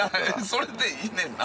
それでいいねんな？